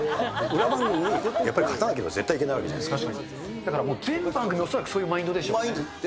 裏番組にやっぱり勝たなければ絶対いけないわけじゃないですか。